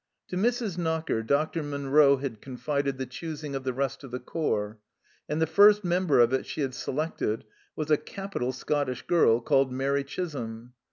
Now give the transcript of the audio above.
To Mrs. Knocker Dr. Munro had confided the choosing of the rest of the corps, and the first member of it she had selected was a capital Scottish girl called Mairi Chisholm.